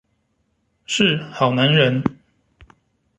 是好男人